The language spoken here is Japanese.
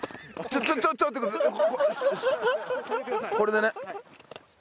これでね。